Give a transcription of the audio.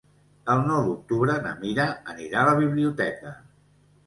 El nou d'octubre na Mira anirà a la biblioteca.